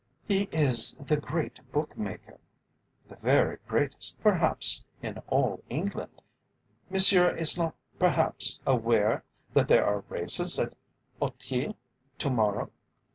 "He is the great bookmaker, the very greatest, perhaps, in all England. Monsieur is not perhaps aware that there are races at Auteuil to morrow."